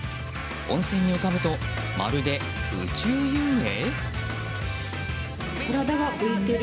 温泉に浮かぶとまるで宇宙遊泳？